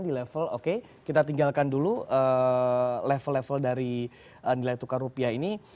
di level oke kita tinggalkan dulu level level dari nilai tukar rupiah ini